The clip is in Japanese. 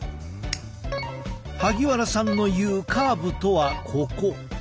萩原さんの言うカーブとはここ。